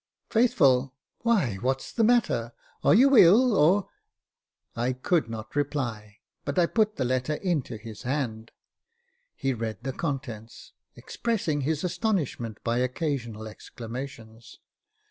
" Faithful — why what's the matter ? Are you ill, or ?" I could not reply, but I put the letter into his hand. He read the contents, expressing his astonishment by occasional exclamations.